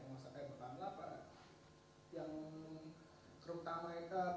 penguasa tiongkok batamla yang terutama itu